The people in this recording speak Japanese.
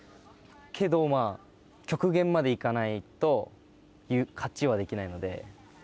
けど、極限まで行かないと、勝ちはできないので。